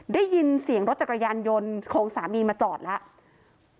ได้ยินเสียงรถจักรยานยนต์ของสามีมาจอดแล้ว